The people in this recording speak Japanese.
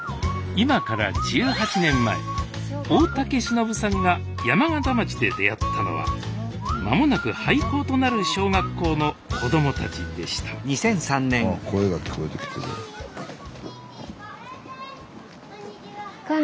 今から１８年前大竹しのぶさんが山方町で出会ったのはまもなく廃校となる小学校の子どもたちでしたスタジオ声が聞こえてきてる。